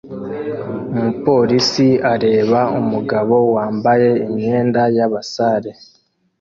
Umupolisi areba umugabo wambaye imyenda y'abasare